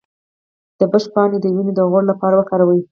د شبت پاڼې د وینې د غوړ لپاره وکاروئ